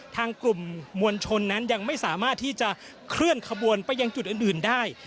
ทางกลุ่มมวลชนนั้นยังไม่สามารถที่จะเคลื่อนขบวนไปยังจุดอื่นได้